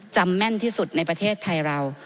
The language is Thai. แม่นที่สุดในประเทศไทยเรา